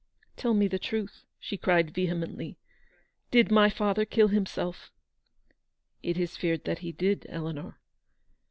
165 "Tell me the truth," she cried vehemently, " did my father kill himself ? w " It is feared that he did, Eleanor."